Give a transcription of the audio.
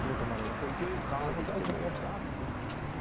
結構勢いよくカーンっていって。